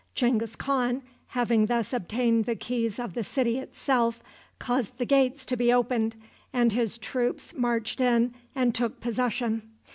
Genghis Khan, having thus obtained the keys of the city itself, caused the gates to be opened, and his troops marched in and took possession.